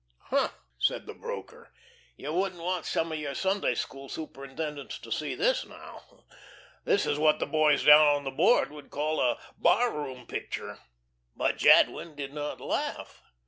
"H'm!" said the broker, "you wouldn't want some of your Sunday school superintendents to see this now. This is what the boys down on the Board would call a bar room picture." But Jadwin did not laugh.